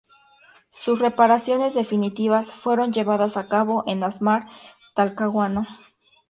Sus reparaciones definitivas fueron llevadas a cabo en Asmar Talcahuano.